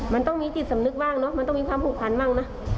มันต้องมีจิตสำนึกบ้างเนอะมันต้องมีความผูกพันบ้างนะ